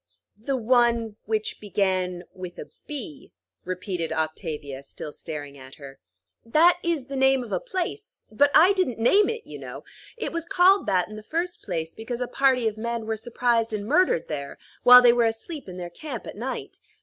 "'The one which began with a B,'" repeated Octavia, still staring at her. "That is the name of a place; but I didn't name it, you know. It was called that, in the first place, because a party of men were surprised and murdered there, while they were asleep in their camp at night.